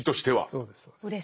そうです。